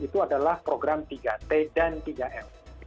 itu adalah program tiga t dan tiga m